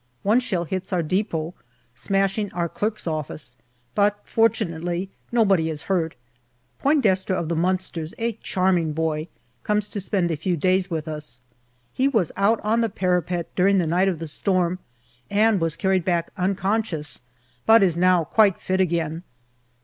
One shell hits our depot, smashing our clerks' office, but fortunately nobody is hurt. Poign Destre, of the Munsters, a charming boy, comes to spend a few days with us. He was out on the parapet during the night of the storm and was carried back unconscious, but is now quite fit again.